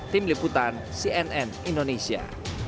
tim liputan cnn indonesia